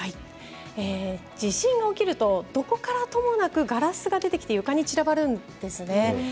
地震が起きるとどこからともなくガラスが出てきて床に散らばるんですね。